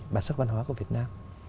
bản sắc văn hóa của việt nam